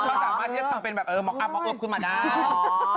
เขาสามารถที่จะทำเป็นแบบมักอับมักเอิบขึ้นมาได้